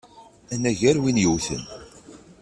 Anagar win yewten!